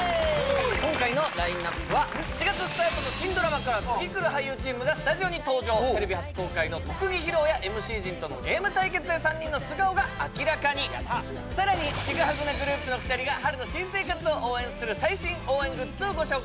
今回のラインナップは４月スタートの新ドラマから次くる俳優チームがスタジオに登場テレビ初公開の特技披露やＭＣ陣とのゲーム対決で３人の素顔が明らかにさらにチグハグなグループの２人が春の新生活を応援する最新応援グッズをご紹介